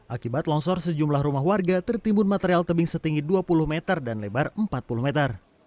akibat longsor sejumlah rumah warga tertimbun material tebing setinggi dua puluh meter dan lebar empat puluh meter